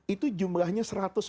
itu jumlahnya satu ratus empat puluh